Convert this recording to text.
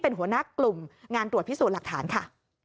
เป็นหัวหน้ากลุ่มงานตรวจพิสูจน์หลักฐานค่ะ